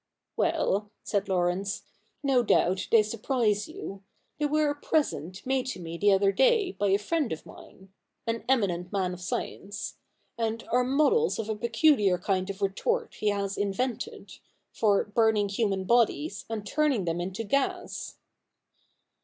'Well,' said Laurence, 'no doubt they surprise you. They were a present made to me the other day by a friend of mine— an eminent man of science, and are models of a peculiar kind of retort he has invented, for burning human bodies, and turning them into gas.'